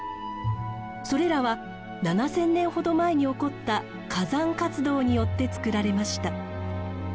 それらは７，０００年ほど前に起こった火山活動によってつくられました。